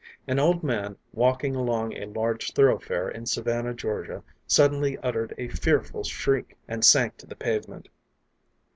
An old man, walking along a large thoroughfare in Savannah, Georgia, suddenly uttered a fearful shriek and sank to the pavement.